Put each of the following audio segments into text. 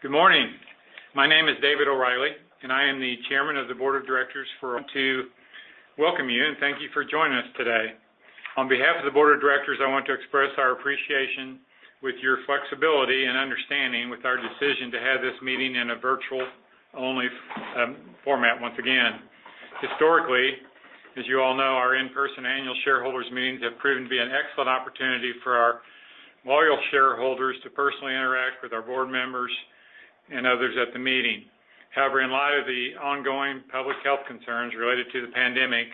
Good morning. My name is David O’Reilly, and I am the Chairman of the Board of Directors. I want to welcome you and thank you for joining us today. On behalf of the Board of Directors, I want to express our appreciation with your flexibility and understanding with our decision to have this meeting in a virtual-only format once again. Historically, as you all know, our in-person annual shareholders meetings have proven to be an excellent opportunity for our loyal shareholders to personally interact with our board members and others at the meeting. However, in light of the ongoing public health concerns related to the pandemic,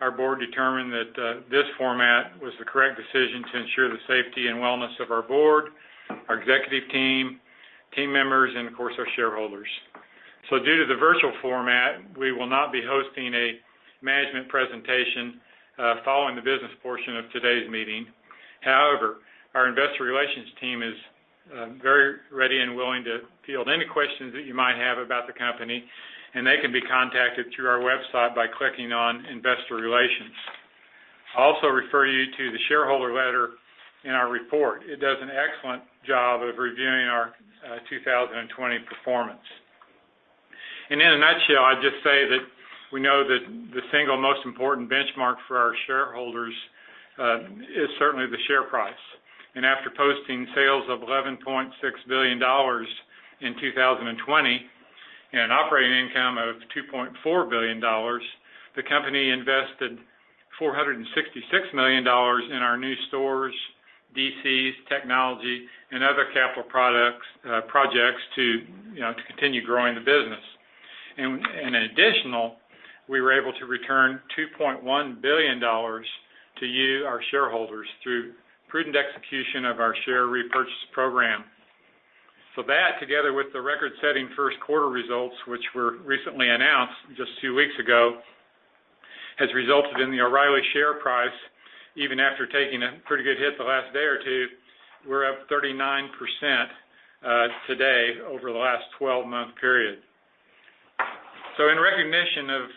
our Board determined that this format was the correct decision to ensure the safety and wellness of our Board, our executive team members, and, of course, our shareholders. Due to the virtual format, we will not be hosting a management presentation following the business portion of today’s meeting. However, our Investor Relations team is very ready and willing to field any questions that you might have about the company, and they can be contacted through our website by clicking on Investor Relations. I also refer you to the shareholder letter in our report. It does an excellent job of reviewing our 2020 performance. In a nutshell, I’d just say that we know that the single most important benchmark for our shareholders is certainly the share price. After posting sales of $11.6 billion in 2020 and an operating income of $2.4 billion, the company invested $466 million in our new stores, DCs, technology, and other capital projects to continue growing the business. In addition, we were able to return $2.1 billion to you, our shareholders, through prudent execution of our share repurchase program. That, together with the record-setting Q1 results, which were recently announced just two weeks ago, has resulted in the O’Reilly share price, even after taking a pretty good hit the last day or two, we’re up 39% today over the last 12-month period. In recognition of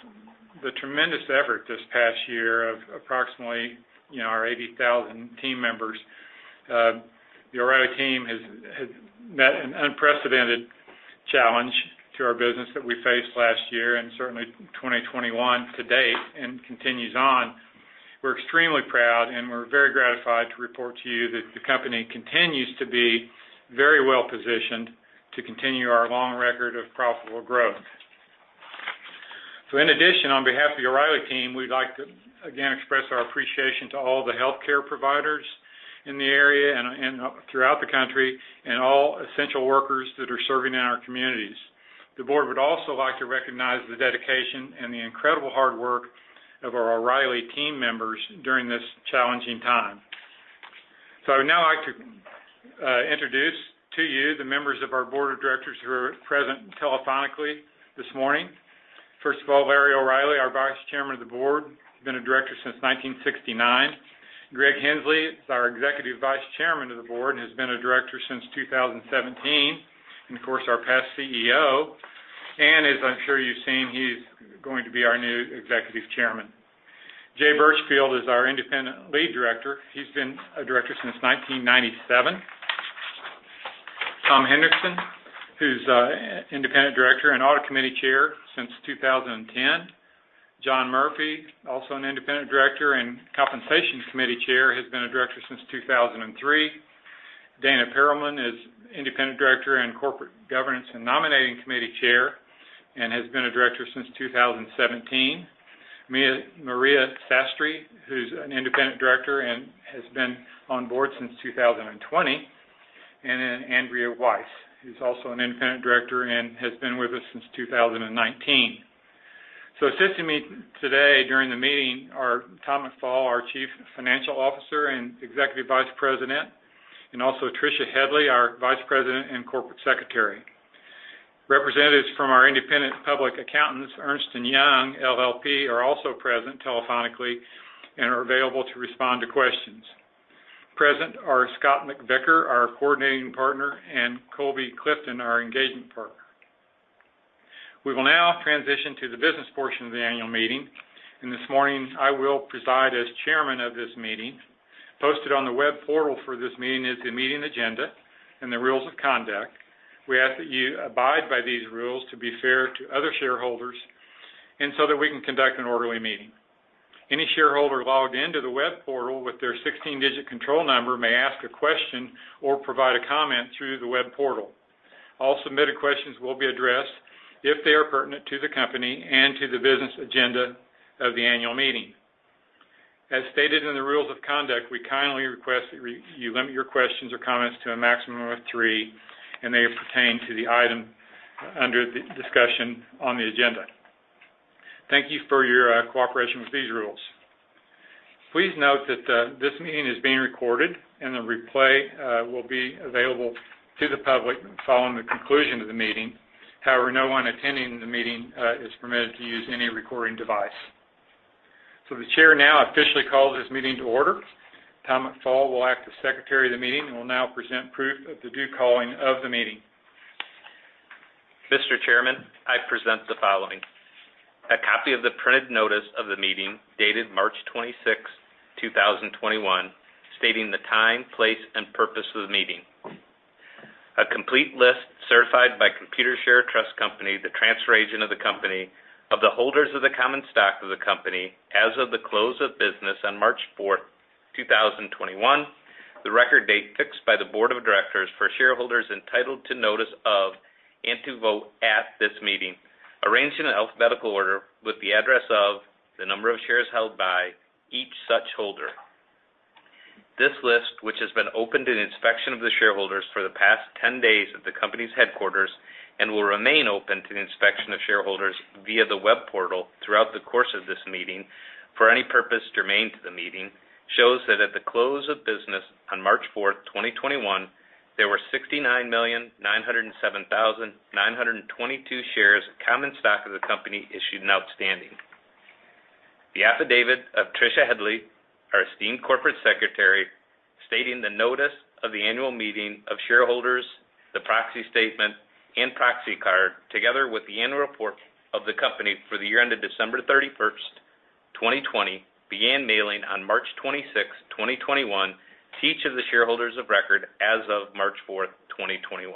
the tremendous effort this past year of approximately our 80,000 team members, the O’Reilly team has met an unprecedented challenge to our business that we faced last year and certainly 2021 to date and continues on. We’re extremely proud and we’re very gratified to report to you that the company continues to be very well-positioned to continue our long record of profitable growth. In addition, on behalf of the O'Reilly team, we’d like to, again, express our appreciation to all the healthcare providers in the area and throughout the country and all essential workers that are serving in our communities. The Board would also like to recognize the dedication and the incredible hard work of our O'Reilly team members during this challenging time. I would now like to introduce to you the members of our Board of Directors who are present telephonically this morning. First of all, Larry O'Reilly, our Vice Chairman of the Board, been a director since 1969. Greg Henslee is our Executive Vice Chairman of the Board, and has been a director since 2017, and of course, our past CEO. As I’m sure you’ve seen, he’s going to be our new Executive Chairman. Jay D. Burchfield is our Independent Lead Director. He’s been a director since 1997. Thomas T. Hendrickson, who’s Independent Director and Audit Committee Chair since 2010. John R. Murphy, also an Independent Director and Compensation Committee Chair, has been a Director since 2003. Dana M. Perlman is Independent Director and Corporate Governance/Nominating Committee Chair and has been a Director since 2017. Maria A. Sastre, who’s an Independent Director and has been on board since 2020. Andrea M. Weiss, who’s also an Independent Director and has been with us since 2019. Assisting me today during the meeting are Tom McFall, our Chief Financial Officer and Executive Vice President, and also Tricia Headley, our Vice President and Corporate Secretary. Representatives from our independent public accountants, Ernst & Young LLP, are also present telephonically and are available to respond to questions. Present are Scott McVicar, our Coordinating Partner, and Colby Clifton, our Engagement Partner. We will now transition to the business portion of the annual meeting, and this morning, I will preside as chairman of this meeting. Posted on the web portal for this meeting is the meeting agenda and the rules of conduct. We ask that you abide by these rules to be fair to other shareholders and so that we can conduct an orderly meeting. Any shareholder logged into the web portal with their 16-digit control number may ask a question or provide a comment through the web portal. All submitted questions will be addressed if they are pertinent to the company and to the business agenda of the annual meeting. As stated in the rules of conduct, we kindly request that you limit your questions or comments to a maximum of three and they pertain to the item under discussion on the agenda. Thank you for your cooperation with these rules. Please note that this meeting is being recorded and the replay will be available to the public following the conclusion of the meeting. However, no one attending the meeting is permitted to use any recording device. The chair now officially calls this meeting to order. Tom McFall will act as Secretary of the meeting and will now present proof of the due calling of the meeting. Mr. Chairman, I present the following: a copy of the printed notice of the meeting dated March 26th, 2021, stating the time, place, and purpose of the meeting. A complete list certified by Computershare Trust Company, the transfer agent of the company, of the holders of the common stock of the company as of the close of business on March 4th, 2021, The record date fixed by the board of directors for shareholders entitled to notice of and to vote at this meeting, arranged in alphabetical order with the address of the number of shares held by each such holder. This list, which has been opened in inspection of the shareholders for the past 10 days at the company's headquarters and will remain open to the inspection of shareholders via the web portal throughout the course of this meeting for any purpose germane to the meeting, shows that at the close of business on March 4th, 2021, there were 69,907,922 shares of common stock of the company issued and outstanding. The affidavit of Tricia Headley, our esteemed Corporate Secretary, stating the notice of the annual meeting of shareholders, the proxy statement, and proxy card, together with the annual report of the company for the year ended December 31st, 2020, began mailing on March 26th, 2021, to each of the shareholders of record as of March 4th, 2021.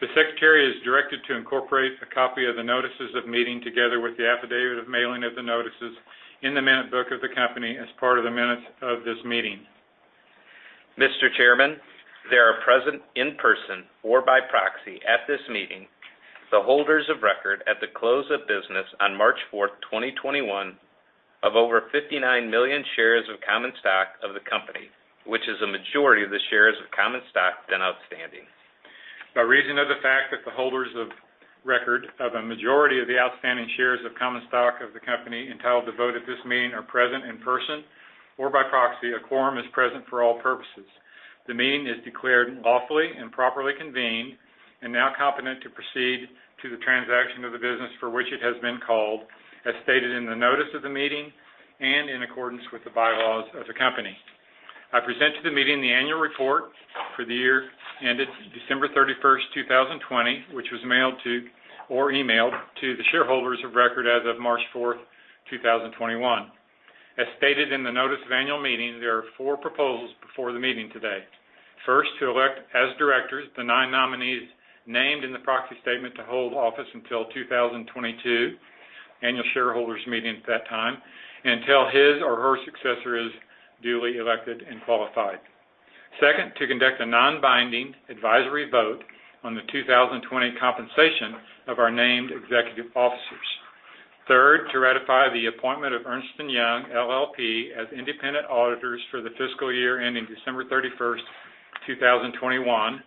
The secretary is directed to incorporate a copy of the notices of meeting together with the affidavit of mailing of the notices in the minute book of the company as part of the minutes of this meeting. Mr. Chairman, there are present in person or by proxy at this meeting the holders of record at the close of business on March 4th, 2021, of over 59 million shares of common stock of the company, which is a majority of the shares of common stock then outstanding. By reason of the fact that the holders of record of a majority of the outstanding shares of common stock of the company entitled to vote at this meeting are present in person or by proxy, a quorum is present for all purposes. The meeting is declared lawfully and properly convened and now competent to proceed to the transaction of the business for which it has been called, As stated in the notice of the meeting and in accordance with the bylaws of the company. I present to the meeting the annual report for the year ended December 31st, 2020, which was mailed to or emailed to the shareholders of record as of March 4th, 2021. As stated in the notice of annual meeting, there are four proposals before the meeting today. First, to elect as directors the nine nominees named in the proxy statement to hold office until 2022 Annual Shareholders Meeting at that time, until his or her successor is duly elected and qualified. Second, to conduct a non-binding advisory vote on the 2020 compensation of our named executive officers. Third, to ratify the appointment of Ernst & Young LLP as independent auditors for the fiscal year ending December 31st, 2021.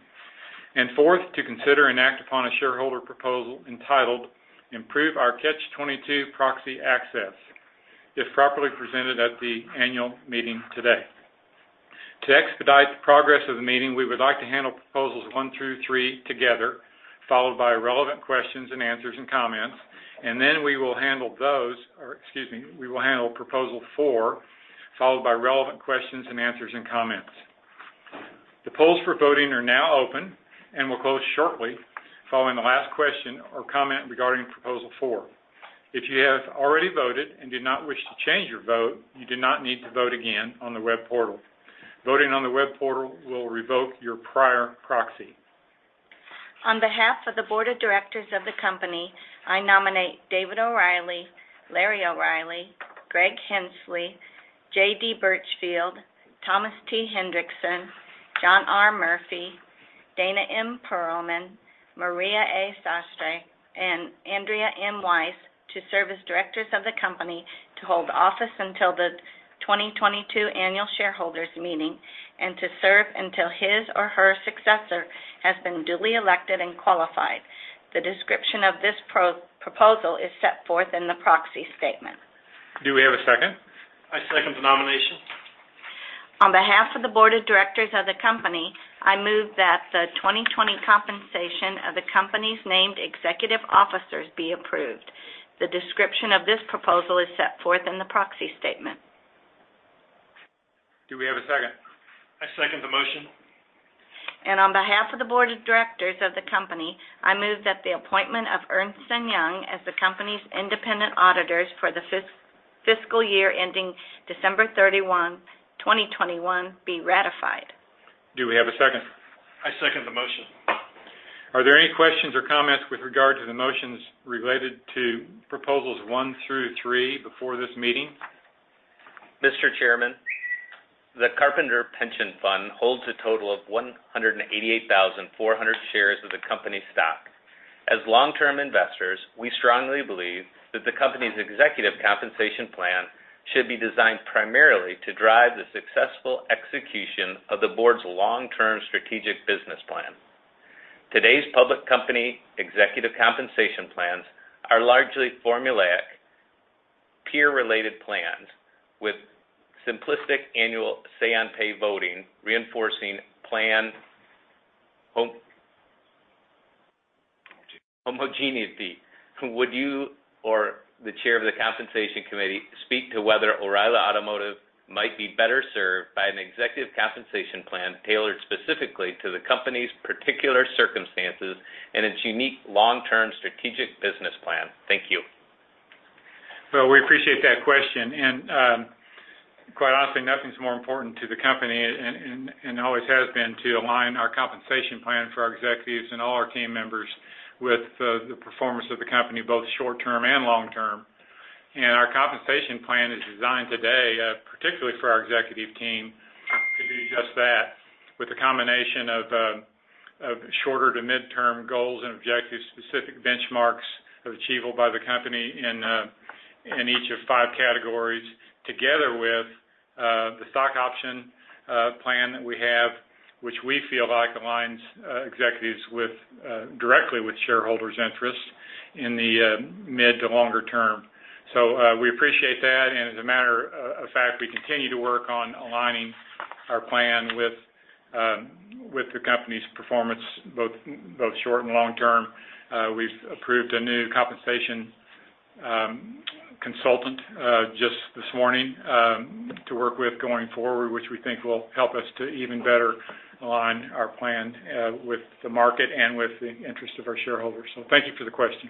Fourth, to consider and act upon a shareholder proposal entitled "Improve our Catch-22 Proxy Access," if properly presented at the annual meeting today. To expedite the progress of the meeting, we would like to handle proposals one through three together, followed by relevant questions and answers and comments. Then we will handle proposal four, followed by relevant questions and answers and comments. The polls for voting are now open and will close shortly following the last question or comment regarding proposal four. If you have already voted and do not wish to change your vote, you do not need to vote again on the web portal. Voting on the web portal will revoke your prior proxy. On behalf of the board of directors of the company, I nominate David O'Reilly, Larry O'Reilly, Greg Henslee, Jay D. Burchfield, Thomas T. Hendrickson, John R. Murphy, Dana M. Perlman, Maria A. Sastre, and Andrea M. Weiss to serve as directors of the company to hold office until the 2022 Annual Shareholders Meeting and to serve until his or her successor has been duly elected and qualified. The description of this proposal is set forth in the proxy statement. Do we have a second? I second the nomination. On behalf of the board of directors of the company, I move that the 2020 compensation of the company's named executive officers be approved. The description of this proposal is set forth in the proxy statement. Do we have a second? I second the motion. On behalf of the board of directors of the company, I move that the appointment of Ernst & Young as the company's independent auditors for the fiscal year ending December 31st, 2021, be ratified. Do we have a second? I second the motion. Are there any questions or comments with regard to the motions related to proposals one through three before this meeting? Mr. Chairman, the Carpenter Pension Fund holds a total of 188,400 shares of the company stock. As long-term investors, we strongly believe that the company's executive compensation plan should be designed primarily to drive the successful execution of the board's long-term strategic business plan. Today's public company executive compensation plans are largely formulaic peer-related plans with simplistic annual say-on-pay voting reinforcing plan homogeneity. Would you or the chair of the compensation committee speak to whether O'Reilly Automotive might be better served by an executive compensation plan tailored specifically to the company's particular circumstances and its unique long-term strategic business plan? Thank you. We appreciate that question, quite honestly, nothing's more important to the company and always has been to align our compensation plan for our executives and all our team members with the performance of the company, both short-term and long-term. Our compensation plan is designed today, particularly for our executive team, to do just that with a combination of shorter to mid-term goals and objectives, Specific benchmarks achievable by the company in each of five categories, together with the stock option plan that we have, which we feel like aligns executives directly with shareholders' interests in the mid to longer term. We appreciate that. As a matter of fact, we continue to work on aligning our plan with the company's performance, both short and long term. We've approved a new compensation consultant just this morning to work with going forward, which we think will help us to even better align our plan with the market and with the interest of our shareholders. Thank you for the question.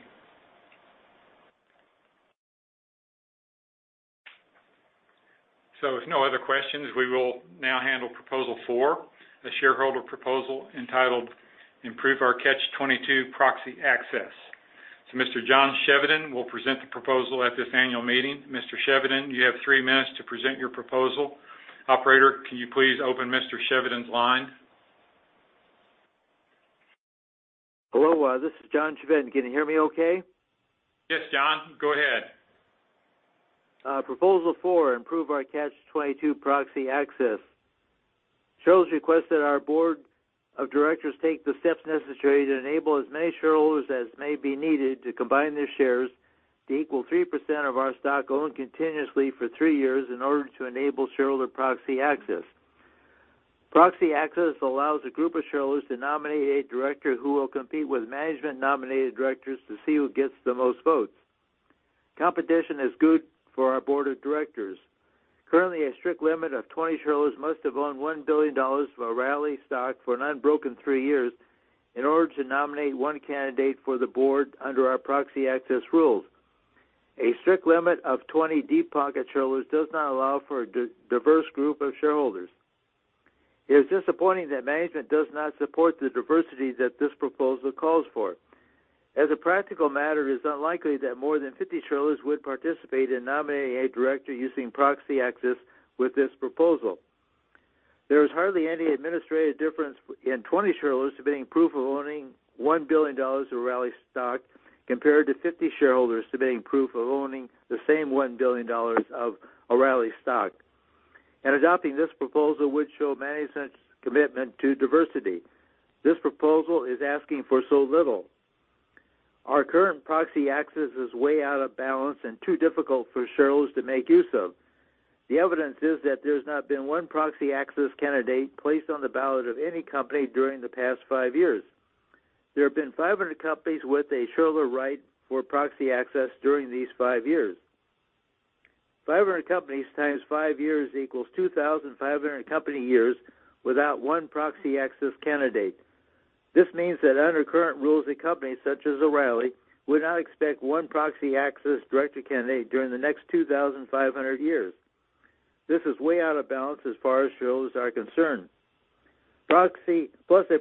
If no other questions, we will now handle Proposal Four, a shareholder proposal entitled Improve Our Catch-22 proxy access. Mr. John Chevedden will present the proposal at this annual meeting. Mr. Chevedden, you have three minutes to present your proposal. Operator, can you please open Mr. Chevedden's line? Hello, this is John Chevedden. Can you hear me okay? Yes, John, go ahead. Proposal Four: Improve Our Catch-22 Proxy Access. Shareholders request that our board of directors take the steps necessary to enable as many shareholders as may be needed to combine their shares to equal 3% of our stock owned continuously for three years in order to enable shareholder proxy access. Proxy access allows a group of shareholders to nominate a director who will compete with management-nominated directors to see who gets the most votes. Competition is good for our board of directors. Currently, a strict limit of 20 shareholders must have owned $1 billion of O'Reilly stock for an unbroken three years in order to nominate one candidate for the board under our proxy access rules. A strict limit of 20 deep-pocket shareholders does not allow for a diverse group of shareholders. It is disappointing that management does not support the diversity that this proposal calls for. As a practical matter, it is unlikely that more than 50 shareholders would participate in nominating a director using proxy access with this proposal. There is hardly any administrative difference in 20 shareholders submitting proof of owning $1 billion of O'Reilly stock compared to 50 shareholders submitting proof of owning the same $1 billion of O'Reilly stock. Adopting this proposal would show management's commitment to diversity. This proposal is asking for so little. Our current proxy access is way out of balance and too difficult for shareholders to make use of. The evidence is that there's not been one proxy access candidate placed on the ballot of any company during the past five years. There have been 500 companies with a shareholder right for proxy access during these five years. 500 companies times five years equals 2,500 company years without one proxy access candidate. This means that under current rules, a company such as O'Reilly would not expect one proxy access director candidate during the next 2,500 years. This is way out of balance as far as shareholders are concerned. A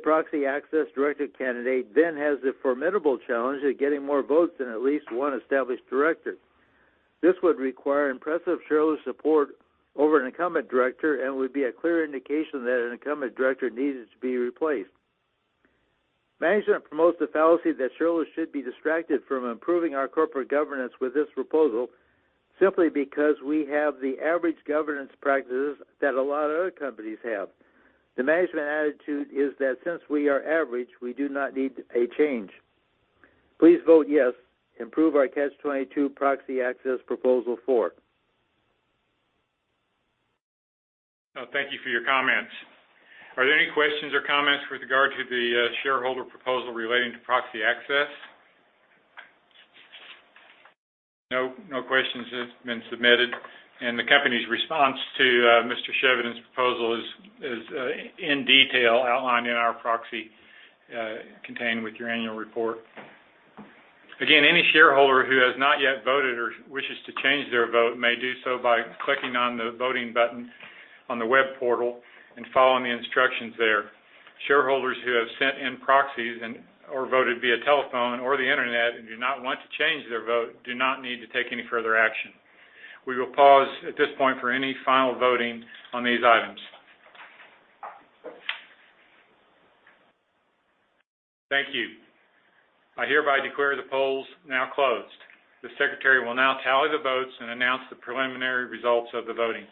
proxy access director candidate then has the formidable challenge of getting more votes than at least one established director. This would require impressive shareholder support over an incumbent director and would be a clear indication that an incumbent director needed to be replaced. Management promotes the fallacy that shareholders should be distracted from improving our corporate governance with this proposal simply because we have the average governance practices that a lot of other companies have. The management attitude is that since we are average, we do not need a change. Please vote yes. Improve our Catch-22 Proxy Access Proposal Four. Thank you for your comments. Are there any questions or comments with regard to the shareholder proposal relating to proxy access? No. No questions have been submitted, the company's response to Mr. Chevedden's proposal is in detail outlined in our proxy, contained with your annual report. Any shareholder who has not yet voted or wishes to change their vote may do so by clicking on the voting button on the web portal and following the instructions there. Shareholders who have sent in proxies or voted via telephone or the internet and do not want to change their vote do not need to take any further action. We will pause at this point for any final voting on these items. Thank you. I hereby declare the polls now closed. The secretary will now tally the votes and announce the preliminary results of the voting.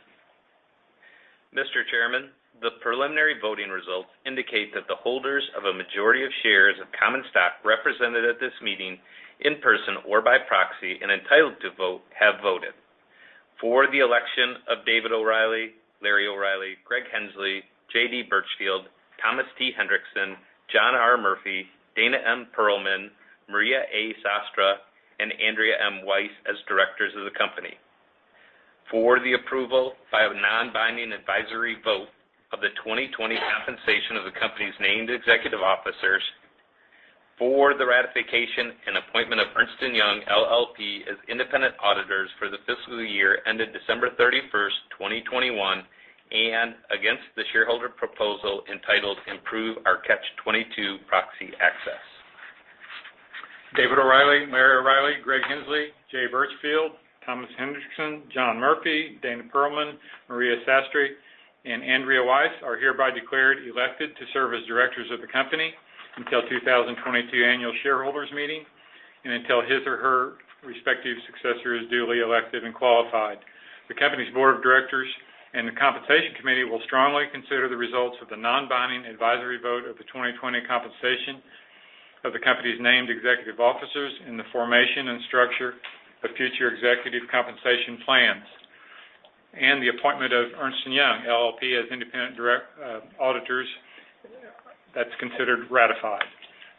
Mr. Chairman, the preliminary voting results indicate that the holders of a majority of shares of common stock represented at this meeting in person or by proxy and entitled to vote, have voted. For the election of David O'Reilly, Larry O'Reilly, Greg Henslee, Jay D. Burchfield, Thomas T. Hendrickson, John R. Murphy, Dana M. Perlman, Maria A. Sastre, and Andrea M. Weiss as directors of the company. For the approval by a non-binding advisory vote of the 2020 compensation of the company's named executive officers, for the ratification and appointment of Ernst & Young LLP as independent auditors for the fiscal year ended December 31st, 2021, and against the shareholder proposal entitled "Improve Our Catch 22 proxy access. David O'Reilly, Larry O'Reilly, Greg Henslee, Jay Burchfield, Thomas Hendrickson, John Murphy, Dana Perlman, Maria A. Sastre, and Andrea Weiss are hereby declared elected to serve as directors of the company until 2022 annual shareholders meeting and until his or her respective successor is duly elected and qualified. The company's board of directors and the compensation committee will strongly consider the results of the non-binding advisory vote of the 2020 compensation of the company's named executive officers in the formation and structure of future executive compensation plans. The appointment of Ernst & Young LLP as independent auditors, that's considered ratified.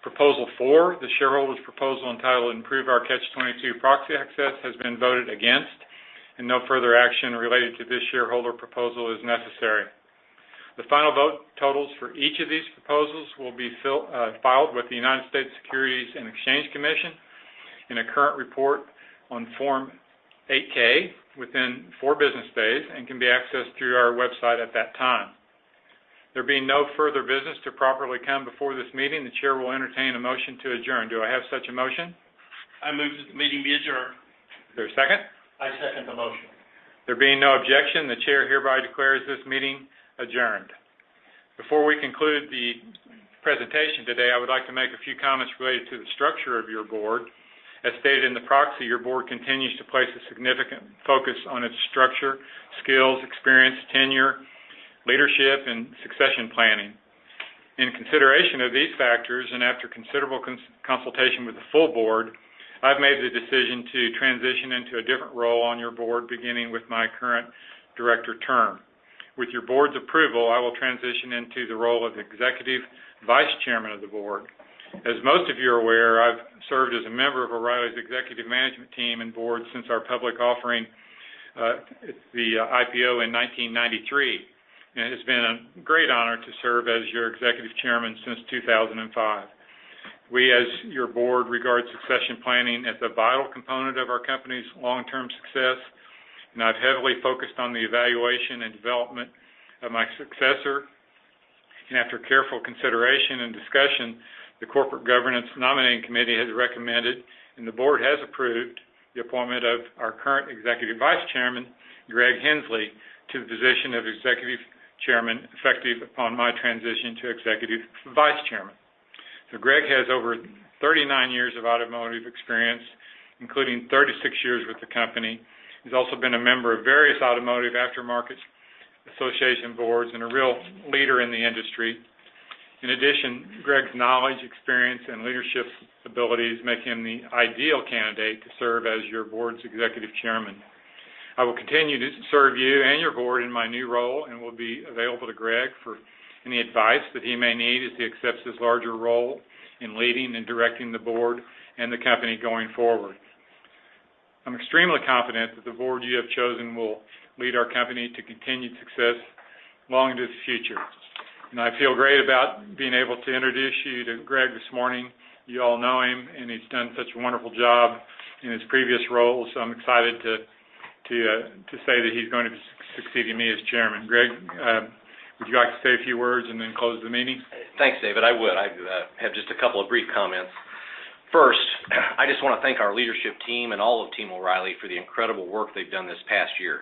Proposal four, the shareholders' proposal entitled "Improve Our Catch 22 Proxy Access" has been voted against, and no further action related to this shareholder proposal is necessary. The final vote totals for each of these proposals will be filed with the United States Securities and Exchange Commission in a current report on Form 8-K within four business days and can be accessed through our website at that time. There being no further business to properly come before this meeting, the chair will entertain a motion to adjourn. Do I have such a motion? I move that the meeting be adjourned. Is there a second? I second the motion. There being no objection, the chair hereby declares this meeting adjourned. Before we conclude the presentation today, I would like to make a few comments related to the structure of your board. As stated in the proxy, your board continues to place a significant focus on its structure, skills, experience, tenure, leadership, and succession planning. In consideration of these factors, and after considerable consultation with the full board, I've made the decision to transition into a different role on your board, beginning with my current director term. With your board's approval, I will transition into the role of Executive Vice Chairman of the Board. As most of you are aware, I've served as a member of O'Reilly's executive management team and board since our public offering, the IPO in 1993, and it has been a great honor to serve as your Executive Chairman since 2005. We, as your board, regard succession planning as a vital component of our company's long-term success, I've heavily focused on the evaluation and development of my successor. After careful consideration and discussion, the Corporate Governance/Nominating Committee has recommended, and the board has approved, the appointment of our current Executive Vice Chairman, Greg Henslee, to the position of Executive Chairman, effective upon my transition to Executive Vice Chairman. Greg has over 39 years of automotive experience, including 36 years with the company. He's also been a member of various automotive aftermarket association boards and a real leader in the industry. In addition, Greg's knowledge, experience, and leadership abilities make him the ideal candidate to serve as your board's Executive Chairman. I will continue to serve you and your Board in my new role and will be available to Greg for any advice that he may need as he accepts this larger role in leading and directing the Board and the Company going forward. I'm extremely confident that the Board you have chosen will lead our Company to continued success long into the future. I feel great about being able to introduce you to Greg this morning. You all know him, and he's done such a wonderful job in his previous role. I'm excited to say that he's going to be succeeding me as chairman. Greg, would you like to say a few words and then close the meeting? Thanks, David. I would. I have just a couple of brief comments. First, I just want to thank our leadership team and all of Team O'Reilly for the incredible work they've done this past year.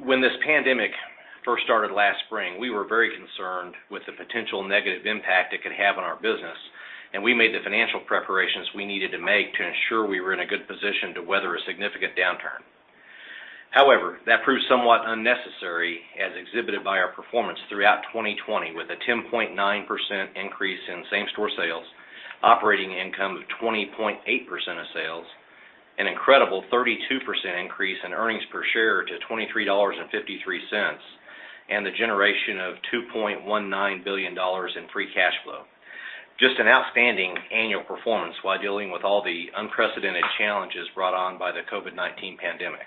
When this pandemic first started last spring, we were very concerned with the potential negative impact it could have on our business, and we made the financial preparations we needed to make to ensure we were in a good position to weather a significant downturn. However, that proved somewhat unnecessary as exhibited by our performance throughout 2020, with a 10.9% increase in same-store sales, operating income of 20.8% of sales, an incredible 32% increase in earnings per share to $23.53, and the generation of $2.19 billion in free cash flow. Just an outstanding annual performance while dealing with all the unprecedented challenges brought on by the COVID-19 pandemic.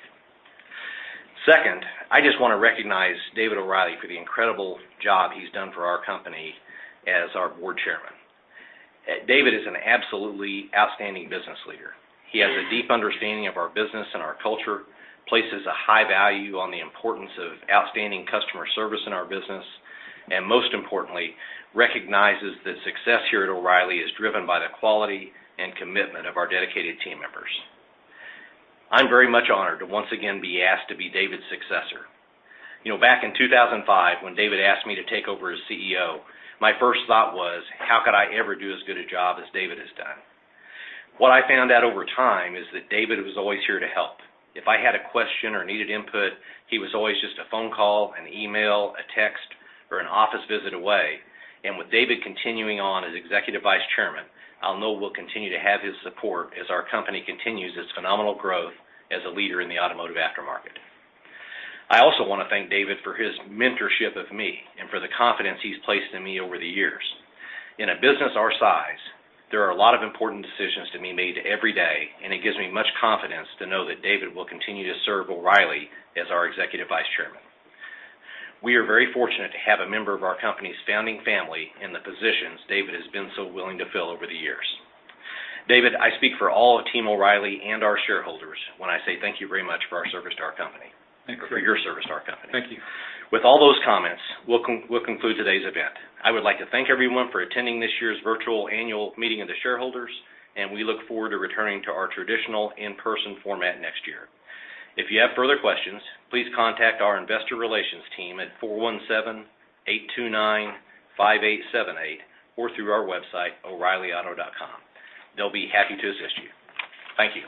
Second, I just want to recognize David O'Reilly for the incredible job he's done for our company as our board Chairman. David is an absolutely outstanding business leader. He has a deep understanding of our business and our culture, places a high value on the importance of outstanding customer service in our business, and most importantly, recognizes that success here at O'Reilly is driven by the quality and commitment of our dedicated team members. I'm very much honored to once again be asked to be David's successor. Back in 2005, when David asked me to take over as CEO, my first thought was, "How could I ever do as good a job as David has done?" What I found out over time is that David was always here to help. If I had a question or needed input, he was always just a phone call, an email, a text, or an office visit away. With David continuing on as Executive Vice Chairman, I'll know we'll continue to have his support as our company continues its phenomenal growth as a leader in the automotive aftermarket. I also want to thank David for his mentorship of me and for the confidence he's placed in me over the years. In a business our size, there are a lot of important decisions to be made every day, and it gives me much confidence to know that David will continue to serve O'Reilly as our Executive Vice Chairman. We are very fortunate to have a member of our company's founding family in the positions David has been so willing to fill over the years. David, I speak for all of Team O'Reilly and our shareholders when I say thank you very much for our service to our company. Thank you. For your service to our company. Thank you. With all those comments, we'll conclude today's event. I would like to thank everyone for attending this year's virtual annual meeting of the shareholders, and we look forward to returning to our traditional in-person format next year. If you have further questions, please contact our investor relations team at 417-829-5878 or through our website, oreillyauto.com. They'll be happy to assist you. Thank you.